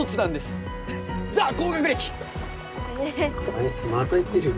あいつまた言ってるよ。